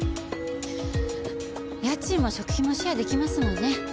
家賃も食費もシェア出来ますもんね。